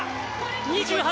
２８！